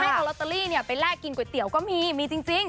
ให้เอารอเตอรี่เนี้ยไปแลกกินก๋วยเตี๋ยวก็มีมีจริงจริง